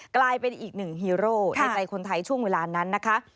กลายเป็นอีกหนึ่งฮีโร่ในใจคนไทยช่วงเวลานั้นนะคะ